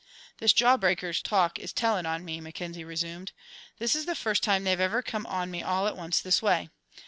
"This jawbreaker talk is tellin' on me," Mackenzie resumed. "This is the first time they've ever come on me all at once this way.